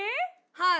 はい。